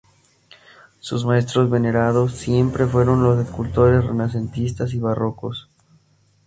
Sus maestros venerados siempre fueron los escultores renacentistas y barrocos.